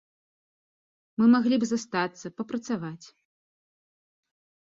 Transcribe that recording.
Мы маглі б застацца, працаваць.